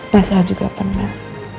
mas al juga pernah